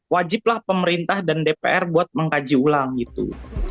wajiblah pemerintah dan dpr buat mengkaji ulang gitu